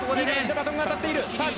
バトンが渡っている。